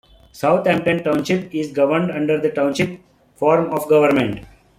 Southampton Township is governed under the Township form of government.